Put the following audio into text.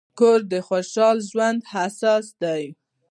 کور د خوشحال ژوند اساس دی.